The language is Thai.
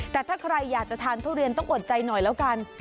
แต่ถ้าใครอยากจะทานทุเรียนต้องอดใจหน่อยแล้วกัน